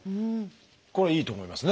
これいいと思いますね。